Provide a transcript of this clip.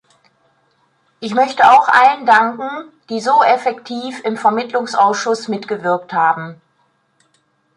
Ich möchte auch allen danken, die so effektiv im Vermittlungsausschuss mitgewirkt haben.